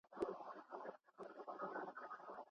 په ټولنه کې چې ښځو ته زده کړې فرصت ورکړل شي، پرمختګ دوام لري.